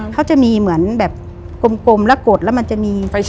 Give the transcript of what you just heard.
เขาจะมีเหมือนแบบกลมแล้วกดแล้วมันจะมีไฟฟ้า